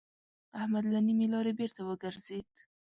احمد له نيمې لارې بېرته وګرځېد.